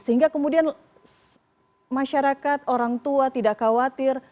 sehingga kemudian masyarakat orang tua tidak khawatir